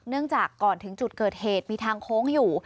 จากก่อนถึงจุดเกิดเหตุมีทางโค้งอยู่